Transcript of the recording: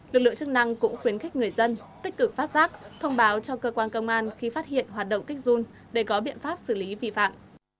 lực lượng chức năng cũng khuyến khích người dân tích cực phát giác thông báo cho cơ quan công an khi phát hiện hoạt động kích run để có biện pháp xử lý vi phạm